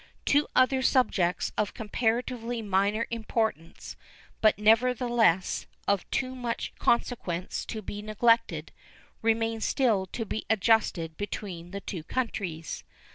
Two other subjects of comparatively minor importance, but nevertheless of too much consequence to be neglected, remain still to be adjusted between the two countries.